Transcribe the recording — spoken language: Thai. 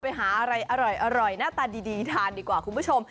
ไปหาอะไรอร่อยหน้าตาดีทานดีกว่าคุณผู้ชม